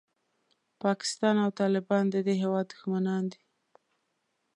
پاکستان او طالبان د دې هېواد دښمنان دي.